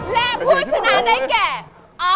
และผู้ชนะได้แก่